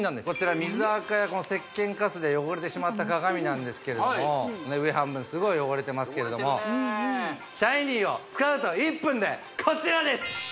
こちら水アカや石けんカスで汚れてしまった鏡なんですけれども上半分すごい汚れてますけれどもシャイニーを使うと１分でこちらです！